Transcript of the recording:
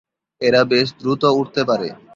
এরা বেশ দ্রুত উড়তে পারে।